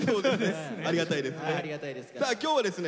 ありがたいですね。